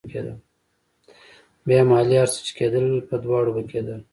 بيا مالې هر څه چې کېدل په دواړو به کېدل.